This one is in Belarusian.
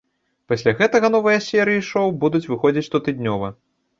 Пасля гэтага новыя серыі шоу будуць выходзіць штотыднёва.